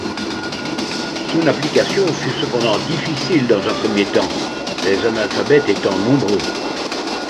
Son application fut cependant difficile dans un premier temps, les analphabètes étant nombreux.